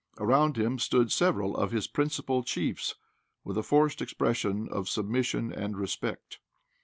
Around him stood several of his principal chiefs, with a forced expression of submission and respect.